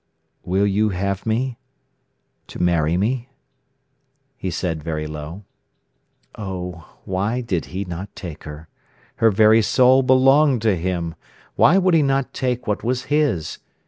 "Will you have me, to marry me?" he said very low. Oh, why did not he take her? Her very soul belonged to him. Why would he not take what was his?